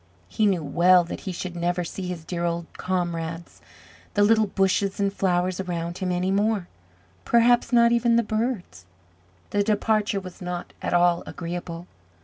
He knew well that he should never see his dear old comrades, the little bushes and flowers around him, any more; perhaps not even the birds! The departure was not at all agreeable.